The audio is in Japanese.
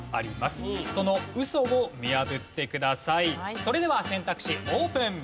それでは選択肢オープン！